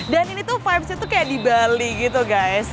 dan ini tuh vibesnya kayak di bali gitu guys